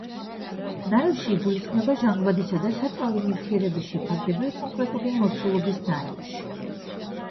ნარევში იგულისხმება ჟანგბადისა და საწვავი ნივთიერების შეფარდება კონკრეტული მოცულობის ნარევში.